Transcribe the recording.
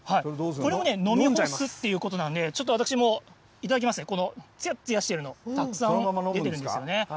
これも飲み干すっていうことなんで、ちょっと私も頂きますね、このつやつやしてるの。たくさん出てるんですよね。